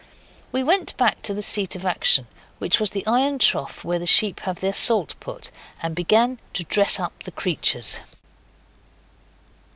We went back to the seat of action which was the iron trough where the sheep have their salt put and began to dress up the creatures.